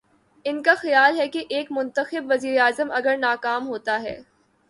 ان کا خیال ہے کہ ایک منتخب وزیراعظم اگر ناکام ہو تا ہے۔